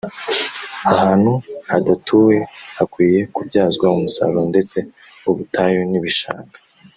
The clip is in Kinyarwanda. Ahantu hadatuwe hakwiye kubyazwa umusaruro ndetse ubutayu n ‘ibishanga